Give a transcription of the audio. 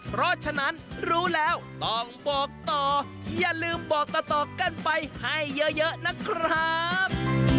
เพราะฉะนั้นรู้แล้วต้องบอกต่ออย่าลืมบอกต่อกันไปให้เยอะนะครับ